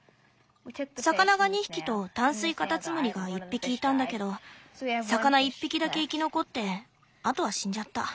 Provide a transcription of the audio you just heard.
魚が２匹と淡水カタツムリが１匹いたんだけど魚１匹だけ生き残ってあとは死んじゃった。